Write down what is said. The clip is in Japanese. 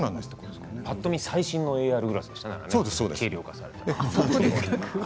ぱっと見最新のＶＲグラスでしたね。